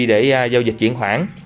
để giao dịch chuyển khoản